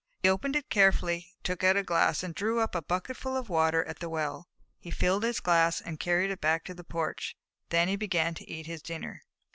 He opened it carefully, took out a glass, and drew up a bucketful of water at the well. He filled his glass and carried it back to the porch. Then he began to eat his dinner.